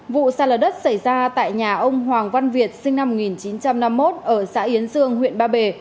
vụ sạt lở đất xảy ra tại nhà ông hoàng văn việt sinh năm một nghìn chín trăm năm mươi một ở xã yến dương huyện ba bể